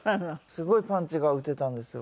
すごいパンチが打てたんですよ